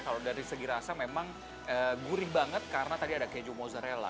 kalau dari segi rasa memang gurih banget karena tadi ada keju mozzarella